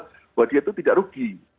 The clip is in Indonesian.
bahwa dia itu tidak rugi